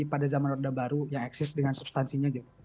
pada zaman orde baru yang eksis dengan substansinya